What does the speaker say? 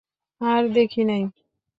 আর দেখি নাই।